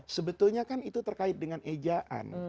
sebetulnya kan itu terkait dengan ejaan